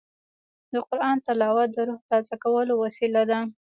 د قرآن تلاوت د روح تازه کولو وسیله ده.